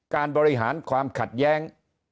การบริหารความขัดแย้ง